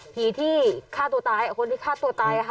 ที่ฆ่าตัวตายคนที่ฆ่าตัวตายค่ะ